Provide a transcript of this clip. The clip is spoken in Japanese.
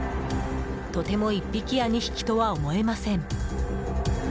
とても１匹や２匹とは思えません。